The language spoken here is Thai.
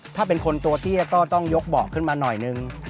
ถ้าเป็นคนตัวเตี้ยก็ต้องยกเบาะขึ้นมาหน่อยนึง